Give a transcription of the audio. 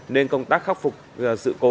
nên công tác khắc phục sự cố